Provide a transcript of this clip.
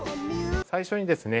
最初にですね